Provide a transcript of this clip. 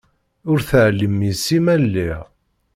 Ur teεlim yess-i ma lliɣ.